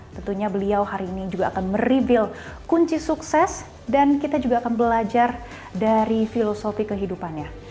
tentunya beliau hari ini juga akan meribil kunci sukses dan kita juga akan belajar dari filosofi kehidupannya